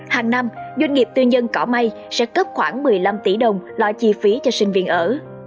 hàng năm doanh nghiệp tư nhân cỏ mây sẽ cấp khoảng một mươi năm tỷ đồng loại chi phí cho sinh viên ở